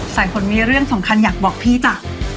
สายฝนมีเรื่องสำคัญอยากบอกพี่จ้ะ